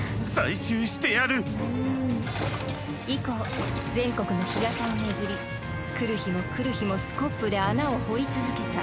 以降全国の干潟を巡り来る日も来る日もスコップで穴を掘り続けた。